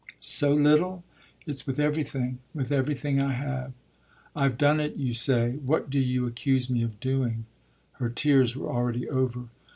"So little? It's with everything with everything I have." "I've done it, you say? What do you accuse me of doing?" Her tears were already over.